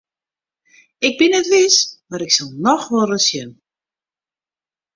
Ik bin net wis mar ik sil noch wolris sjen.